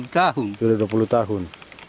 sudah dua puluh tahun